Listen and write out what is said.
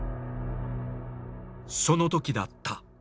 そのときだった。